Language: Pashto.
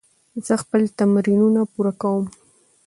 زه خپل تمرینونه پوره کوم.